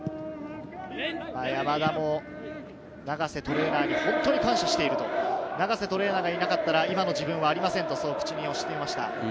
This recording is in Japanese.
山田も長瀬トレーナーに本当に感謝していると、長瀬トレーナーがいなかったら、今の自分はありませんと話していました。